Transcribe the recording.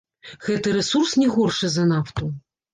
Гэты рэсурс не горшы за нафту.